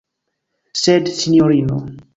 Sed, sinjorino.